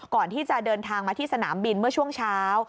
ก่อนที่จะเดินทางมาที่สนามบินเมื่อช่วงเช้า